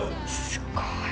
すごい。